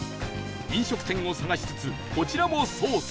飲食店を探しつつこちらも捜査